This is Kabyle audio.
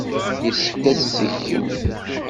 Yessefk ad tt-tgemt.